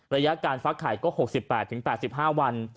ระยะการฟักไข่ก็๖๘๘๕วัน